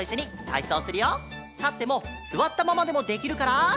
たってもすわったままでもできるから。